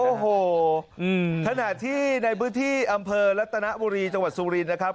โอ้โหขณะที่ในพื้นที่อำเภอรัตนบุรีจังหวัดสุรินนะครับ